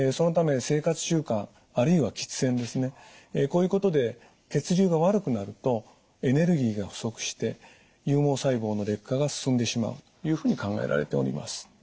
こういうことで血流が悪くなるとエネルギーが不足して有毛細胞の劣化が進んでしまうというふうに考えられております。